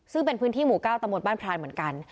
ซึ่งเป็นพื้นที่หมู่๙ตำบลบ้านพรานเหมือนกัน